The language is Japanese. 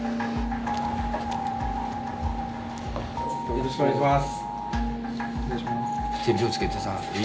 よろしくお願いします。